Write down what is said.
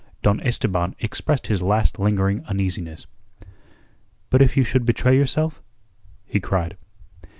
Don Esteban expressed his last lingering uneasiness: "But if you should betray yourself?" he cried.